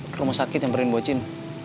ke rumah sakit nyamperin bocin